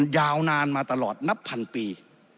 ยาวนานมาตลอดนับพันปี